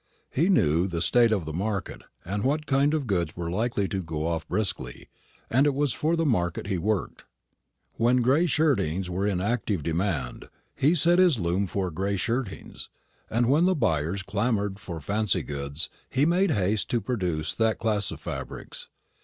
He knew the state of the market, and what kind of goods were likely to go off briskly, and it was for the market he worked. When gray shirtings were in active demand, he set his loom for gray shirtings; and when the buyers clamoured for fancy goods, he made haste to produce that class of fabrics.